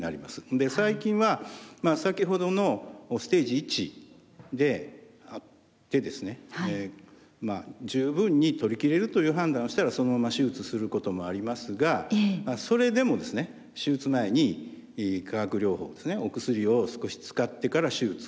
で最近は先ほどのステージ１であってですね十分に取り切れるという判断をしたらそのまま手術することもありますがそれでも手術前に化学療法ですねお薬を少し使ってから手術をする。